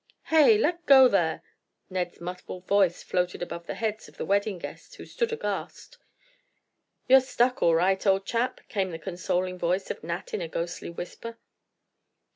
"Hey! Let go there!" Ned's muffled voice floated above the heads of the wedding guests, who stood aghast. "You're stuck all right, old chap," came the consoling voice of Nat in a ghostly whisper.